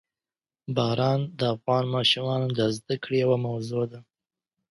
باران د افغان ماشومانو د زده کړې یوه موضوع ده.